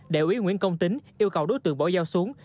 đại úy nguyễn công tính yêu cầu đối tượng bỏ dao xuống